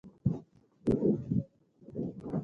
مخنیوي ورته ضروري ګڼي.